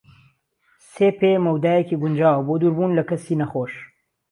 سێ پێ مەودایەکی گونجاوە بۆ دووربوون لە کەسی نەخۆش.